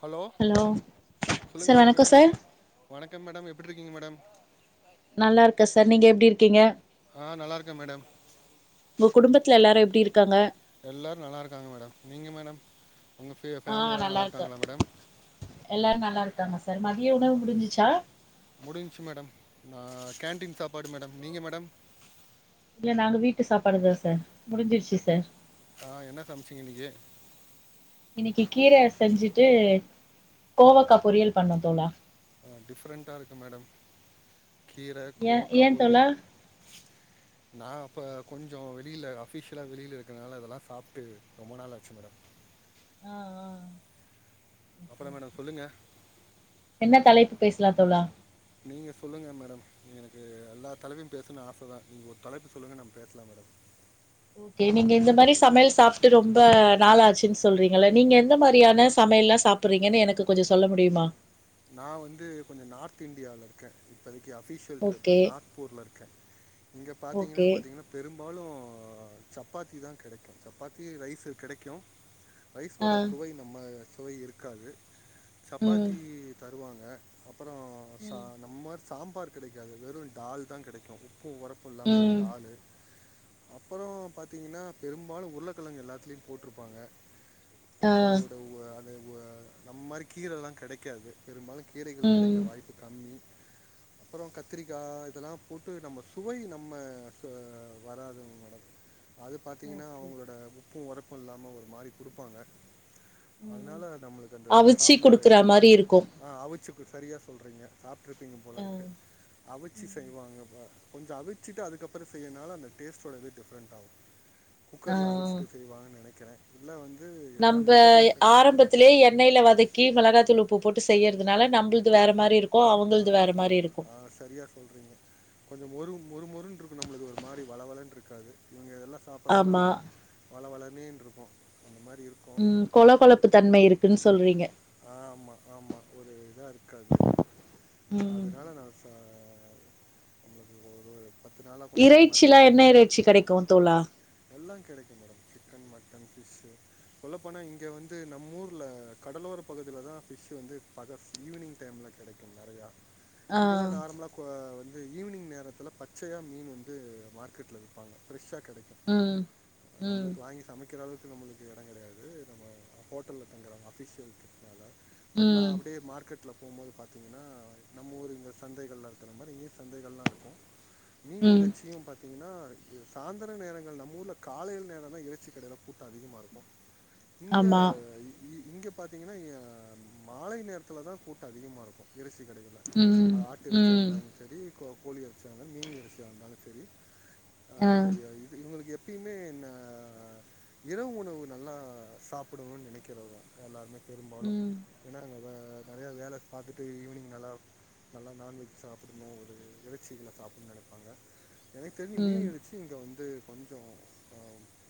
Hello சொல்லுங்க sir madam வணக்கோ எப்றீ சார் இருக்கீங் வணக்கம் மேடம் எப்படி இருக்கீங்க மேடம் நல்லா இருக்க சார் நீங்க எப்டி இருக்கீங்க ஆ நல்லா இருக்க மேடம் உங்க குடும்பத்துல எல்லாரு எப்டி இருக்காங்க எல்லோரு நல்லா இருக்காங்க மேடம் நீங்க மேடம் உங்க ஃபே ஆ ஃபேமிலி எல்லா நல்லா இருக்கு இருக்காங்களா மேடம் எல்லாரு நல்லா இருக்காங்க சார் மதியோ உணவு முடிஞ்சிச்சா முடிஞ்ச்சு மேடம் நா கேன்டீன் சாப்பாடு மேடம் நீங்க மேடம் இல்ல நாங்க வீட்டு சாப்பாடுதா சார் முடிஞ்சிருச்சு சார் ஆ என்ன சமைச்சிங்க இன்னைக்கி இன்னிக்கு கீர செஞ்சுட்டு கோவக்கா பொரியல் பண்ண தோழா ஆ டிஃப்ரெண்ட்டா இருக்கு மேடம் கீர ஏ கோவக்கா ஏ தோழா பொரியல் நா அப்ப கொஞ்சோ வெளியில ஆஃபிஷியலா வெளியில இருக்கிறனால இதெல்லா சாப்ட்டு ரொம்ப நாள் ஆச்சு மேடம் ஆ ஆ ஓகே அப்பறம் ஓகே மேடம் சொல்லுங்க என்ன தலைப்பு பேசலா தோழா நீங்க சொல்லுங்க மேடம் எனக்கு எல்லா தலைப்பையு பேசணுன்னு ஆச தா நீங்க ஒரு தலைப்பு சொல்லுங்க நம்ம பேசலா மேடம் ஓகே நீங்க இந்த மாரி சமையல் சாப்ட்டு ரொம்ப நாளா ஆச்சுன்னு சொல்றீங்கள நீங்க எந்த மாரியான சமையல்லா சாப் பிறீங்கன்னு எனக்கு கொஞ்சோ சொல்ல முடியுமா நா வந்து கொஞ்சோ நார்த் இந்தியால இருக்க இப்பதைக்கு அஃபிஷியல் ட்ரிப்பு ஓகே நார்க் பூர்ல்ல இருக்க இங்க ஓகே பாத்தீங்கன்னா பாத்தீங்கன்னா பெரும்பாலு சப்பாத்தி தா கெடைக்கு சப்பாத்தி ரைசு கெடைக்கு ஆ ரைஸோட சுவை நம்ம சுவை இருக்காது ம் சப்பாத்தி தருவாங்க அப்புறோ சா ம் நம்ம சாம்பார் கிடைக்காது வெறு டால் தா கிடைக்கு உப்பு ஒரப்பு இல்லாம ஒரு ம் டாலு அப்பறோ பாத்தீங்கன்னா பெரும்பாலு உருளக்கெழங்கு எல்லாத்துலயு போட்ருப்பாங்க ஆ அதோட உ அது உஅ நம்ம மாரி கீரல்லா கடைக்காது பெரும்பாலு கீரைகள் ம் கெடைக்க வாய்ப்பு கம்மி அப்புறோ கத்திரிக்கா இதெல்லா போட்டு நம்ம சுவை நம்ம க்கு வராதுங் மேடம் அது பாத்தீங்கன்னா ஓகே அவுங்களோட உப்பு ஒரப்பு இல்லாம ஒரு மாரி குடுப்பாங்க ம் அதனால நம்மளுக்கு அந்த அவிச்சி சாப்பாடு குடுக்குற மாரி இருக்கு ஆ அவுச்சி சரியா சொல்றீங்க சாப்ட்ருப்பீங்க ஆ போல இருக்கு அவுச்சு ம் செய்வாங்க அப கொஞ்சோ அவிச்சிட்டு அதுக்கப்புறோ செய்றதுனால அந்த டேஸ்டோ‌ட இது டிஃப்ரெண்ட் ஆவு ஆ குக்கர்ல அவிச்சிட்டு செய்வாங்கனு நெனைக்கிறே இல்ல வந்து என்ன மெத்தட்ல‌ செய்றா த்லே எண்ணெய்ல வதக்கி மெளகாத்தூள் உப்பு போட்டு செய்யறதுனால நம்பள்து வேற மாரி இருக் கு ஆ அவங்கள்து வேற மாரி இருக்கு ஆ சரியா சொல்றீங்க கொஞ்சோ மொறு மொறு மொறுனு இருக்கு நம்மள்து ஒரு மாரி வளவளன்னு இருக்காது இவங்க எல்லா சாப்புட்றதுலா ஆமா வள வளனேனு இருக்கு அந்த மாரி இருக்கு ம் கொழ கொழப்பு தன்மை இருக்குனு சொல்றீங்க ஆ ஆமா ஆமா ஒரு இதா இருக்காது ம் அதனால நா சா எனக்கு ஒரு பத்து நாளாக கொஞ்சம் இந்த மாதிரி இறைச்சிலா என்ன இறைச்சி கெடைக்கு தோழா எல்லா கெடைக்குங்க சிக்கன், மட்டன், ஃப்ஷ் சொல்லப் போனா இங்க வந்து நம் ஊர்ல கடலோர பகுதியிலதா ஃபிஷ் வந்து பகு ஈவினிங் டைம்ல கெடைக்கு நெறையா ஆ இங்கல்லா நார்மலா கு வந்து ஈவினிங் நேரத்தில பச்சையா மீன் வந்து மார்க்கெட்ல விப்பாங்க ஃப்ரெஷ்ஷா கெடைக்கு ம் ம் நம்மளுக்கு வாங்கி சமைக்கிற அளவுக்கு நம்மளுக் எடங் கிடையாது நம்ம ஹோட்டல தங்கற அபிஷியல்னால பட் நா ம் அப்டியே மார்க்கெட் ல போம்போது பாத்தீங்னா நம்ம ஊர் இந்த சந்தைகள்ல இருக்கிற மாரி இங்கயு சந்தைகள்லா இருக்கு மீன் ம் இறைச்சியு பாத் திங்னா இது சாயந்தர நேரங்கள் நம்ம ஊர்ல காலை நேரம்தா இறைச்சி கடையில கூட்டோ அதிகமா இருக்கு இங்க ஆமா ஈ இங்க பாத்தீங்கனா ஆ மாலை நேரத்துலதா கூட்டோ அதிகமா இருக்கு இறச்சி கடைகள்ல ம் அது ஆட்டு இறச்சியா ம் இருந்தாலு செரி கோ கோழி இறச்சியா இருந்தாலு மீன் இறைச்சியா இருந்தாலு செரி ஆ இது இவங்களுக்கு எப் ப்யுமே இந்த இரவு உணவு நல்லா சாப்புடனுனு நெனைக்கிறவங்க எல்லாருமே பெரும்பா ம் ஏன்னா அங்க வே நறைய வேலை பாத்துட்டு ஈவினிங் நல்லா நல்லா நான்வெஜ் சாப்புடணு ஒரு இறைச்சிகள சாப்புட்னு நெனைப்பாங்க எனக்கு தெரிஞ்சு மீன் ம் இறைச் சிங்க இங்க வந்து கொஞ்சோ அ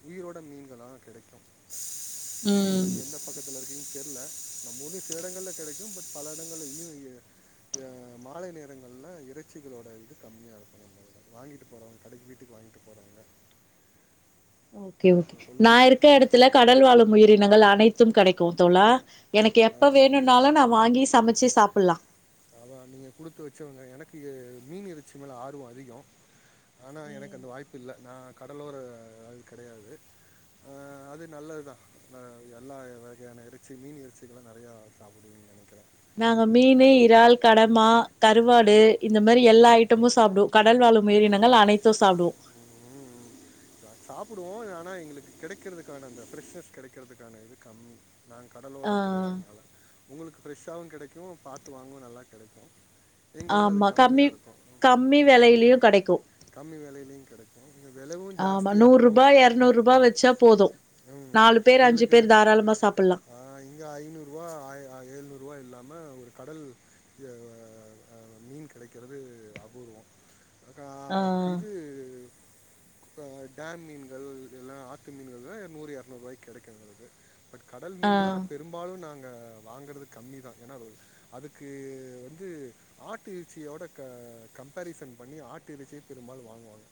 உயிரோட மீன்கள்லாதா கெடைக்கு ம் நீங்க எந்த பக்கத்துல இருக்கீங்கனு தெரில நம்ம ஊர்லயு சில இடங்கள்ல கெடைக்கு பட் பல இடங்கள்ல ஈவ்னிங் ஆ மாலை நேரங்கள்ல இறைச்சிகளோட இது கம்மியா இருக்குங்க வாங்கிட்டு போறவங்க கடைக்கு வீட்டுக்கு வாங்கிட்டு போறவங்க ஓகே ஓகே நா சொல்லுங்கள் இருக்க எடத்துல கடல் வாழும் உயிரினங்கள் அனைத்து கெடைக்கு தோழா எனக்கு எப்போ அப்படி வேணுன்னாலு நா வாங்கி சமச்சு சாப்பிட்லா அதா நீங்க குடுத்து வச்சவங்க எனக்கு மீன் இறைச்சி மேல ஆர்வ அதிகம் ஆனா எனக்கு அந்த வாய்ப்பு இல்ல நா கடலோர ஆள் கிடையாது ஆ அது நல்லதுதா ஆ எல்லா வகையான இறைச்சி மீன் இறைச்சி இதெல்லா நெறையா சாப்புடுவிங்கனு நெனைக்கிறே நாங்க மீனு, இறால், கடமா, கருவாடு ம் இந்த மாரி எல்லா ம் ஐ ட்டமு சாப்புடுவோ கடல் வாழ் உயிரினங்கள் அனைத்து சாப்புடுவோ யா சாப்புடுவோ ஆனா எங்களுக்கு கெடைக்கறதுக்கான அந்த ஃப்ரெஷ்னஸ் கெடைக்கறதுக்கான இது கம்மி நாங்க ஆ கடலோரோ கெடயாததுனால உங்களுக்கு ஃப்ரெஷ்ஷாவு கெடைக்கு பாத்து வாங்கவு நல்லா கெடைக்கு ஆமா கம்மி கம்மி வெலையிலயு கெடைக்கு கம்மி வெலையிலயு கெடைக்கு இது வெலவு ஜாஸ் நூற்ரூபா எர்நூற்ரூபா வச்சா போது ம். நாலு பேர் அஞ்சு எங்களுக்கு பேர் தாராளமா சாப்புட்லா ஆ இங்க ஐநூற்ரூவா ஆய் அ ஏழ்நூற்ருவா இல்லாம ஒரு கடல் அ இங்க மீன் கெடைக்கிறது அபூர்வோ ஆ கிது இப்ப டேம் மீன்கள் எல்லா ஆத்து மீன்கள்லா நூறு எர்நூற்வாய்க்கு கெடைக்கு எங்களுக்கு பட் கடல் ஆ மீன்ல்லா பெரும்பாலு நாங்க வாங்கறது கம்மிதா ஏனா ரொ அதுக்கு வந்து ஆட்டு இறச்சியோட க கம்பேரிசன் பண்ணி ஆட்டு இறச்சியே பெரும்பாலு வாங்குவாங்க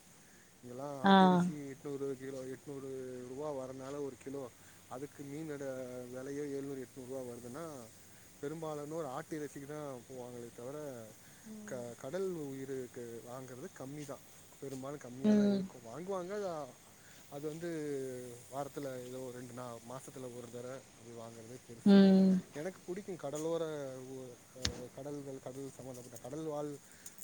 இங்கெல்லா ஆ ஆட்டு இறச்சி எட்நூறு கிலோ எட்நூறு ரூவா வரனால ஒரு கிலோ அதுக்கு மீனட வெலையே ஏழ்நூறு எட்நூற்ருவா வருதுனா பெரும்பாலனோர் ஒரு ஆட்டு இறசிக்குதா போவாங்களே தவர க கடல் உயிருக்கு வாங்கறது கம்மிதா பெரும்பாலு கம்மியாதா ம் இருக்கு வாங் ங்குவாங்கதா அது வந்து வாரத்துல எதோ ஒரு ரெண்டு நா மாசத்துல ஒரு தர அப்டி வாங்க றதே பெருசு ம் எனக்கு புடிக் க்கு கடலோர உ அ கடல்கள் கடல் சம்பந்தப்பட்ட கடல் வாழ்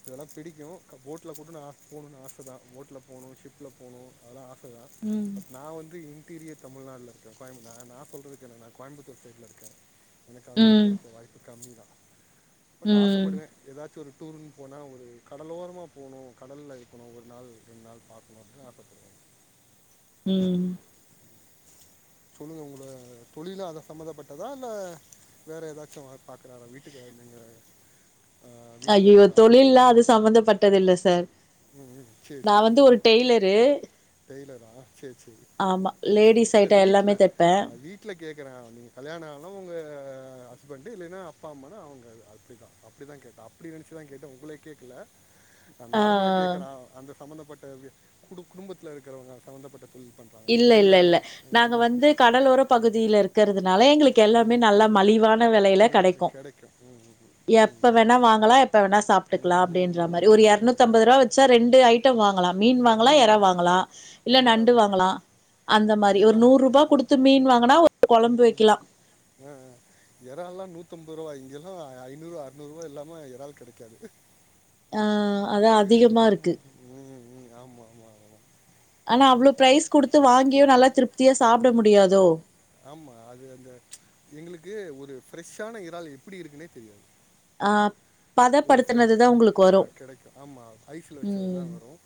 இதெல்லா பிடிக்கு போட்ல கூட நா போணுனு ஆசதா போட்ல போணு ஷிப் ட்ல போனு அதெல்லா ஆசதா ம் பட் நா வந்து இன் டீரியர் தமிழ்நாட்ல இருக்க கோயம்பு நா நா சொல்றதுக்கென்ன நா கோயம்புத்தூர் சைட்ல இருக்க எனக்கு அதெல்லா ம் கெடைக்க வாய்ப்பு கம்மிதா பட் ம் ஆசப்படுவ எதாச்சு ஒரு டூருன் போனா ஒரு கடலோரமா போனு கடல்ல இருக்கணு ஒரு நாள் ரெண்டு நாள் பாக்கணு ஆசப்ப ம் சொல்லுங்க உங்கள தொழிலா அத சம்மதப்பட்டதா இல்ல வேற எதாச்சு ஒர்க் பாக்கறாரா வீட்டுக்கா நீங்க அய்யயோ தொழில்லா அது சம்மந்தப்பட்டதில்ல சார் ம்ம் சேரி நா சேரி வந்து சேரி ஒரு டெய்லரு டெய்லரா சேரி சேரி ஆமா லேடிஸ் ஐட்டோ எல்லாமே தெப்ப ட்ல கேக்கற நீங்க கல்யாணோ ஆன உங்க ஹஸ்பண்ட்டு இல்லேனா அப்பா அம்மானா அவங்க அப்டிதா அப்டிதா கேட்ட அப்டி நெனைச்சுதா கேட்ட உங்கள கேக்கல நா ஆ நார்மலா கேக்கற அந்த சம்பந்தப்பட்டது கு குடும்பத்துல இருக்கறவங்க சம்பமந்தப்பட்ட தொழில் பண் இல்ல இல்ல இல்ல நாங்க வந்து கடலோர பகுதில இருக்கறதுனால எங்களுக்கு எல்லாமே நல்ல மலிவான வெல ல ம், கெடைக்கு கிடைக்கும் ம் ம் எப்ப ம் வேணா வாங்கலா எப்ப வேணா ம் சாப்ட்டுக்லா ம் அப்டின் ற ம் மாரி ஒரு ம் ம் ம் எர்நூத்தம்பது ரூவா வெச்சா ரெண்டு ஐ ட்டோ வாங்கலா மீன் வாங்கலா ம் எறா ம். வாங்கலா இல்ல அதான் நண்டு அதான் வாங்கலா அந்த மாரி ஒரு இங்கெல்லாம் நூர்ரூபா ம், குடுத்து மீன் வாங்கனா ஒரு கொழம்பு வைக்கலா அ அ எறால்லா நூத்தம்பது ரூவா இங்கெல்லா ஐநூர்வா அற்நூறுவா இல்லாம எறால் கெடைக்காது ஆ அதா அதிகமா இருக்கு ம் ம் ஆமா ஆமா ஆனா அவ்ளோ பாரைஸ் குடுத்து வாங்கியு நல்லா திருப்தியா சாப்ட முடியாதோ ஆமா அது அந்த எங்களுக்கு ஒரு ஃப்ரெஷ்ஷான இறால் எப்டி இருக்குன்னே தெரியாது ஆப் ஒரு ஃப்ர ஆ கெடைக்கு ஆமா ஐஸ்ல வச்சதுதா ம் வரும்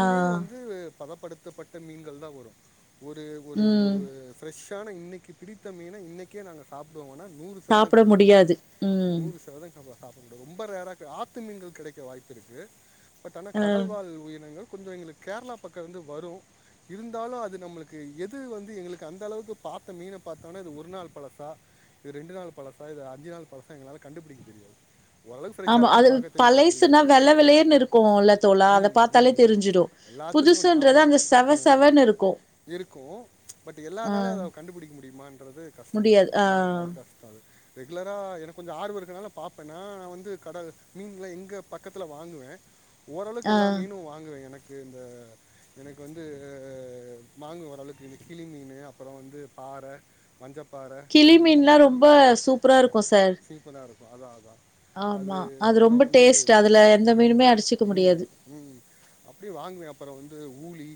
ஆ வந்து பதப்படுத்தப்பட்ட மீன்கள் தா வரும் ஒரு ஒரு ம் ஒரு ஃப்ரெஷ் பட் ஆனா இன்னைக்கு பிடித்த மீன இன்னிக்கே நாங்க சாப்புடுவோமான்ன னு நூறு ரதவீதம் சதவிதம் சாப்ட கிடையாது முடியாது ம் நூறு சதவிதம் க சாப்பிடக்கூாது ரொம்ப ரேரா ஆத்து மீன்கள் கிடைக்க வாய்ப்பு இருக்கு பட் ஆனா ஆ கடல்வாழ் உயிரினங்கள் கொஞ்சோ எங்களுக்கு கேரளா பக்கம் வந்து வரும் இருந்தாலும் அது நம்மளுக்கு எது வந்து எங்களுக்கு அந்த அளவுக்கு பரத்து மீனை பாத்தோன்னே இது ஒரு நாள் பழசா இது ரெண்டு நாள் பழசா இது அஞ்சு நாள் பழசா எங்களால கண்டுபிடிக்க தெரியாது ஓரளவுக்கு ஃப்ரெஷ்ஷா ஆமா அது இருக்கான்னு பாக்க தெரியுமா பழைசுனா தெரியாதா வெள்ள வெளேர்னு இருக்குல்ல தோழா அத உம் பாத்தாலே உம் தெரிஞ்சிடு எல்லாத்துக்கு நா புதுசுன்றது உ அந்த செவ அ செவன்னு இருக்கு இருக்கும் பட் ஆ எல்லார்னாலையு அதை கண்டுபிடிக்க முடியுமான்றது கஷ்டம் இல்லை முடியாது ஆ எல்லாரும் அது கஷ்டம் அது ரெகுலரா எனக்கு கொஞ்சோ ஆர்வம் இருக்கறனால பாப்பே நா நா வந்து கடல் மீன்லா எங்க பக்கத்துல வாங்குவே ஓரளவுக்கு ஆ எல்லா மீனும் வாங்குவே எனக்கு க்கு இந்த எனக்கு வந்து வாங்குவ ஒர் அளவுக்கு இந்த கிளி மீனு அப்புறம் வந்து பாற மஞ்சப்பாறை கிளி மீன்லா ரொம்ப சூப்பரா இருக்கும் சார் சூப்பரா இருப்பா அதா அதா அது ஆமா அப்புறோ ரொம்ப வந்து டேஸ்ட் அதுல எந்த மீனுமே அடிச்சுக்க உம் முடியாது உம் அப்படியே வாங்குவே அப்பற வந்து ஊலி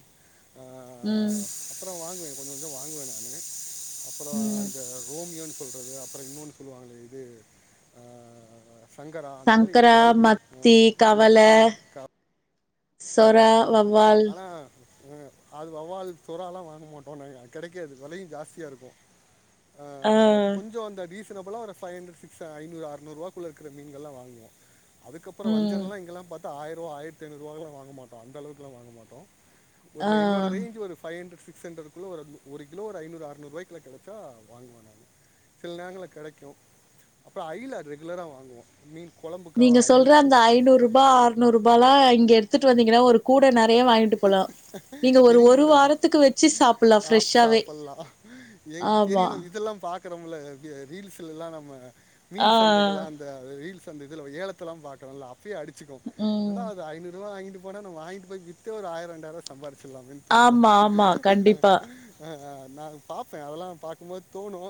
ஆ ம் அப்பறோ வாங்குவே கொஞ்சோ கொஞ்சோ வாங்குவே நானு அப்புளோ ம் அந்த ரோமியோன்னு சொல்றது இன்னோ அப்புறம் இன்னொன்னு சொல்லுவாங்களே இது சங்கரா அந்த சங்கரா மாகறலஓரளவுக்கு மத்தி கவல மத்தி அவல சொறா வவ்வால் [unintelligible] ஆனா அங்க அது வவ்வால் சுறால்லா வாங்க மாட்டோ நினைக்கே கிடைக்காது விலையு ஜாஸ்தியா இருக்கும் அ ஆ கொஞ்சோ அந்த டீசன் அபுலா ஒரு ஃபைவ் ஹண்ரட் சிக் ஸ் ஐநூறு ஆறுநூறுவாக்குள்ள இருக்கிற மீன்கள்ல்லா வாங்குவோ அதுக்கப்புறோ ம் வஞ்சிரல்லா இங்கல்லா பாத் தா ஆயரூவா ஆயிரத்தி ஐநூறுவாக்குல்லா வாங்க மாட்டோ அந்த அளவுக்கெல்லா வாங்க மாட்டோ ஆ ஒரு என்னோட ரேன்ச் ஒரு ஃபைவ் ஹண்ரட் சிக்ஸ் ஹண்ரட் இவ்ளோ ஒரு கிலோ ஒரு ஐநூறு ஆறுநூறு ரூவாய்க்குள்ள கெடைச்சா வாங்குவே நானு சில நேரங்கள்ல கெடைக்கு அப்ப ஐல ரெகுலரா வாங்குவோ மீன் கொழம்பு நீங்க சொல்ற அந்த ஐநூறு ரூபா ஆறுநூறு ரூபால்லா இங்க எடுத்துட்டு வந்தீங்கன்னா ஒரு கூடை நறைய வாங்கிட்டு போலா நீங்க ஒரு தெரியு ஒரு மேடம் வாரத்துக்கு வச்சு சாப்புல்லா சாப் ஃப்ரெஷ்ஷாவே சாப்பிட்லா எங்களுக்கு ஆமா தெரியு மேம் இதெல்லா பாக் கறமில்ல ரீல்ஸ்ல எல்லா நம்ம மீன் ஆ சந்தைகெல்லா இந்த ரீல்ஸ் அந்த இதுல ஏலத்தல்லா பாக்கறோ இல்ல அப்பயே அடிச்சுகும் ம் என்னடா இது ஐநூறு ரூவா வாங்கிட்டு போனா நாம்ப வாங்கிட்டு போயி வித்தே ஒரு ஆயிரம் ரெண்டாயிர ரூவா சம்பாரிச்சிலாமேன்னு தோணும் ஆமா ஆமா கண்டிப்பா ஆமா அ அ நா பாப்பே அதெல்லா பாக்கும்போது தோணு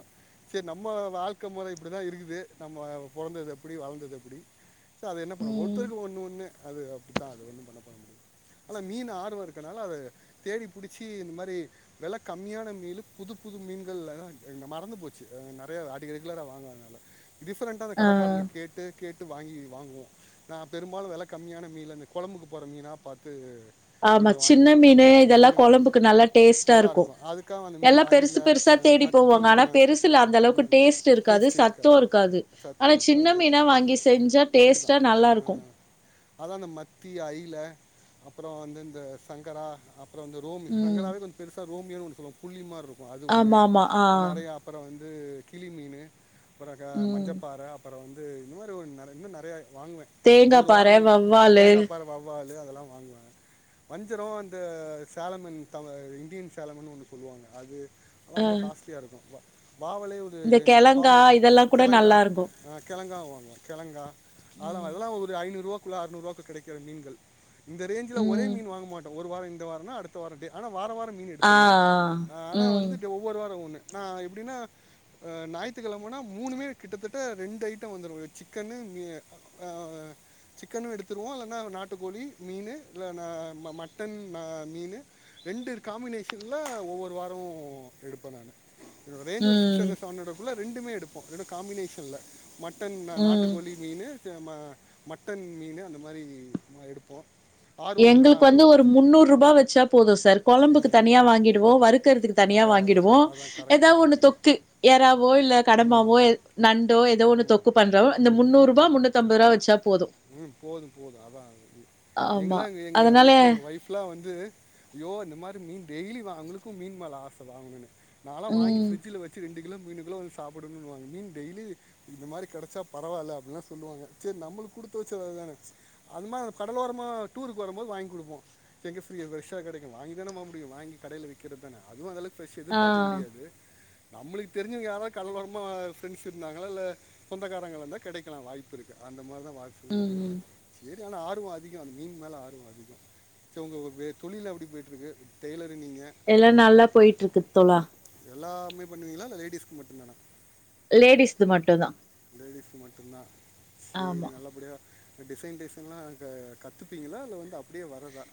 சேரி நம்ம வாழ்க்கை முறை இப்படி தா இருக்குது நம்ம பொறந்தது அப்டி வளந்தது அப்டி சோ அது என்ன பண்ணும் ம் ஒருத்தருக்கு ஒன்னு ஒன்னு அது அப்படிதா அது ஒன்னும் பண்ண பண்ண முடியும் ஆனா மீனு ஆர்வோ இருக்கனால அதை தேடி புடிச்சி இந்த மாறி விலை கம்மியான மீனு புது புது மீன்கள்ல தா மறந்து போச்சு நெறைய அடி ரெகுலரா வாங்குவாங்க இல்ல டிஃப்ரெண்டா அந்த ஆ கடைக்காரன கேட்டு கேட்டு வாங்கி வாங்குவோ நா பெரும்பாலு வெல கம்மியான மீன்ல அந்த கொழம்புக்கு போட்ர மீனா பாத்து ஆமா சின்ன மீனு இதெல்லா கொழம்புக்கு நல்லா டேஸ்ட்டா இருக்கூ நல்லாயிருக்கும் அதுக்காக அந்த எல்லா மீன் பெருசு அயில பெருசா அஹ் தேடி மத்தி போவாங்க ஆனா ஆ பெருசில்ல அந்த அளவுக்கு டேஸ்ட்டு இருக்காது சத்து இருக்காது ஆனா சின்ன மீனா வாங்கி செஞ்சா அப்புடிதா டேஸ்ட்டா நல்லா அ இருக்கு அதா அந்த மத்தி அய்ல அப்பறொ வந்து இந்த சங்கரா அப்பறோ வந்து ரோமி ம் சங்கராலையே கொஞ்ச பெருசா ரோமியோ ஒன்னு சொல்லுவோம் புளி மாருக்கூ அது ஒண்ணு ஆமா ஆமா ஆ நறையா அப்பற வந்து கிளி மீனு அப்பற க ம் மஞ்சப்பாற அப்பற வந்து இந்த மாரி ஒரு நறையா இன்னும் நறைய வாங்குவே தேங்கா ஒவ்வொரு பாற வாரமு வவ்வாலு தேங்கா பாற வவ்வாலு அதெல்லா வாங்குவே வஞ்சரொ அந்த சேலமன் த இந்தியன் சேலமன்னு ஒன்னு சொல்லுவாங்க அது அதல்லா அ ரொம்ப காஸ்ட்லியா இருக்கூ வாவலே ஒரு இந்த கெழங்கா பாம்பட்டு இதெல்லா கூட கெழங்கா நல்லா இருக்கு ஆ கெழங்காவு வாங்குவோ கெளங்கா அதலா ம் அதெல்லா ஒரு ஐநூறுவாக்குள்ள அறுநூறுவாக்குள்ள கெடைக்குற மீ்ன்கள் இந்த ரேஞ்சுல ஒரே ம் மீன் வாங்க மாட்டோ ஒரு வாரொ இந்த வாரொன்னா அடுத்த வாரொ ஆனா வாரொ வாரொ மீன் ஆ எடுத்துர்வ ஆ ஆனா ம் வந்து ஒவ் வொரு வாரொ ஒண்ணு நா எப்டின்னா அ நாயித்துகெழமன்னா மூணுமே கிட்டத்தட்ட ரெண்டு ஐட்டொ வந்துரு சிக்கன்னு மீனு அ சிக்கனு எடுத்துருவோ இல்லன்னா நாட்டுக்கோழி மீனு இல்லனா மட்டன் அ மீனு ரெண்டு காமீனேஷன்ல ஒவ்வொரு வாரொ எடுப்ப நானு என்னோட ரேஞ்சு ஒரு சிக்ஸ் ம் அன்றட் செவன் அன்றட் குல்ல ரெண்டுமே எடுப்பொ காமினேஷன்ல மட்டன் நாட்டு ம் மீனு மட்டன் மீனு அந்த மாரி எடுப்போ எங்களுக்கு வந்து ஒரு முன்னூறுபா வெச்சா போது சார் கொழம்புக்கு ம் ம். தனியா வாங்கிருவோ வருக்கறதுக்கு தனியா அதான் அதான் வாங்கிடுவோ அதான் எதா ஒண்ணு கரெக்டு தொக்கு எறாவோ இல்ல ம் கடம்பாவோ நண்டோ ஏதோ ஒண்ணு தொக்கு பண்றோ இந்த ம் முன்னூறு ருபா ம் முன்னூதம்பதுருவா வெச்சா போது ம் போது போது அதா ஆமா எங்கல்லா எங்க அதனால வீட்டுல எங்க ஒய்ஃப் லா வந்து யோ இந்த மாரி மீன் டெய்லி வாங் அவங்ளுக்கு மீன் மேல ஆசதா நாலா வாங்கி ம் ப்ரிட்ஜ்ல வெச்சு ரெண்டு கிலோ மூணு கிலோ வந்து சாப்பிடணுன்வாங்க மீன் டெய்லி இந்த மாரி கெடைச்சா பரவால்ல அப்டின்லா சொல்லுவாங்க சரி நம்மளு குடுத் ச்சது தான அது மாரிந்த கடலோரமாக டூருக்கு வரும்போது வாங்கி குடுப்போ எங்க ஃப்ரீ ஃப்ரஷா கெடைக்கு வாங்கி தான போ முடியு வாங்கி கடைல விக் கிறதான அதுவு அதெல்லா ஃபிரஷ் ஆ எதிர்பார்க்க முடியாது நம்மளுக்கு தெரிஞ்சவுங்க யாராவ்து கடலோரமா ஃப்ரெண்ட்ஸ் இருந்தாங்களா இல்ல சொந்தகாரங்களாந்தா கெடைக்கலா வாய்ப்பு இருக்கு அந்த மாரிதா வாய்ப்பு ம் இருக்கு ஆனா ஆர்வோ அதிகொ அந்த மீன் மேல ஆர்வௌ அதிகொ சோ உங்க தொழில்ல் எப்புடி போய்ட்டுருக்கு டெய்லரு நீங்க எல்லா நல்லா போயிட்டுருக்கு தோழா எல்லாமே பண்ணுவீங்ளா இல்ல லேடிஸ்க்கு மட்டும்ந்தானா லேடிஸ்து மட்டு்ந்தா லேடிஸ்கு மட்டுந்தா சேரி ஆமா நல்லபடியா டிசைன் டிசைன்லா க கத்துப்பீங்களா இல்ல வந்து அப்டியே வரதா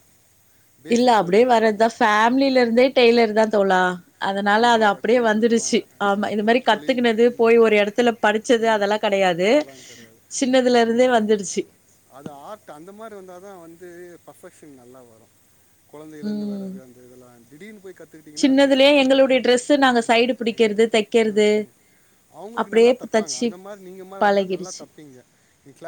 இல்ல அப்டியே பேசிக்ஸ்லேருந்து வரதா வர்றதா ஃபேமிலிலருந்தே டெய்லர் தா தோழா அதனால அது அதனால் அப்டியே கொல்லி வந்துருச்சி கொடுத்துருவாங்க ஆமா இது மாரி குலத்தொழில் கத்துக்குனது ம், போய் ஒரு எடத்துல படிச்சது அதெல்லா கடையாது அதெல்லாம் கிடையாது சின்னதுலருந்தே வந்துடுச்சி அது ஆர்ட் அந்த மாரி வந்தாதா வந்து பர்ஃபெக்ஷன் நல்லா வரு கொழந்தைல இருந்து ம் வறது அந்த இதெல்லா திடீர்னு போய் கத்துக்கிட்டீங்கன்னா அந்த சின்னதுலயே ப்ரெஷ் கிறது அவங்களுக்கு நல்லா தெப்பாங்க அந்த மாரி நீங்க மாரி ஆ நல்லா பழகிடுச்சு தெப்பீங்க நீ